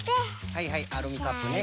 はいはいアルミカップね。